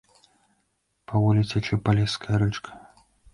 Паволі цячэ палеская рэчка.